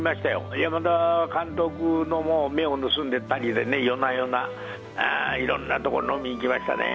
山田監督の目を盗んで２人でね、夜な夜な、いろんな所、飲みに行きましたね。